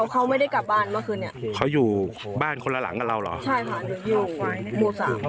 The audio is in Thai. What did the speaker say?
เขาไม่ได้กลับบ้านเมื่อคืนเนี่ยเขาอยู่บ้านคนละหลังกับเราเหรอใช่ค่ะ